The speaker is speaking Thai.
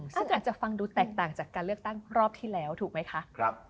ซึ่งอาจจะฟังดูแตกต่างจากการเลือกตั้งรอบที่แล้วถูกไหมคะ